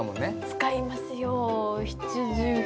使いますよ。